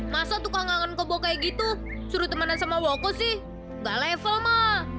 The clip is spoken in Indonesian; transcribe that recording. masa tukang kanganku bawa kayak gitu suruh temenan sama woko sih gak level ma